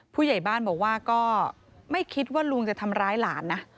ผู้ใหญ่บ้านบอกว่าก็ไม่คิดว่าลุงจะทำร้ายหลานนะ